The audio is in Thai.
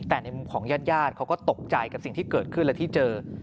แต่ในมุมของญาติเขาก็ตกใจกับสิ่งที่เกิดขึ้นและที่เจอ